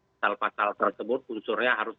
pasal pasal tersebut unsurnya harus